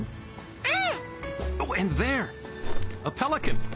うん。